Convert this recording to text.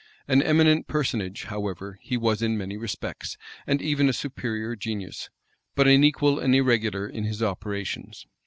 An eminent personage, however, he was in many respects, and even a superior genius; but unequal and irregular in his operations.